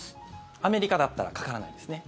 アメリカだったらかからないですね。